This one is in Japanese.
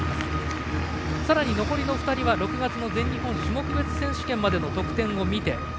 さらに残りの２人は６月の全日本種目別選手権の得点を見て。